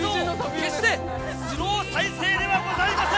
決してスロー再生ではございません！